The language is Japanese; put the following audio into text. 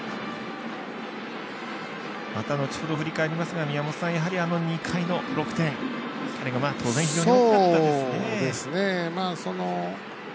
また後ほど振り返りますが宮本さん、やはりあの２回の６点あれが当然非常に大きかったですね。